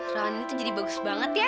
ruangan ini tuh jadi bagus banget ya